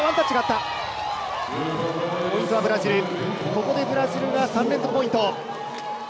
ここでブラジルが３連続ポイント。